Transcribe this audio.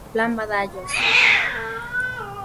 Síntesis del Plan Badajoz